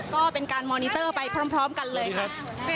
ก็เป็นการมอนิเตอร์ไปพร้อมกันเลยครับ